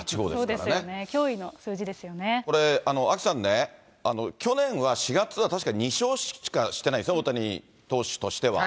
そうですよね、驚異の数字でこれ、アキさんね、去年は４月は確か、２勝しかしてないですね、大谷投手としては。